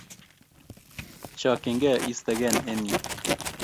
Chakchin ke istegen eng' yu.